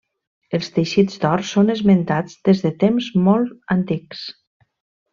Els teixits d’or són esmentats des de temps molt antics.